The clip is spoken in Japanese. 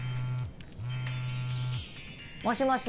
もしもし。